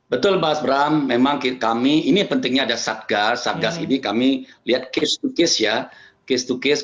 betul mas bram memang kami ini pentingnya ada satgas satgas ini kami lihat case to case ya case to case